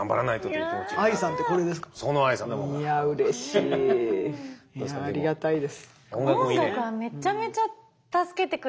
いやありがたいです。